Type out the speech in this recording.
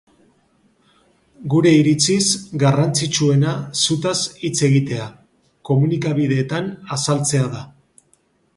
Bere iritziz, garrantzitsuena zutaz hitz egitea, komunikabideetan azaltzea da.